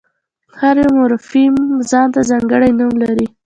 هر یو مورفیم ځان ته ځانګړی نوم لري.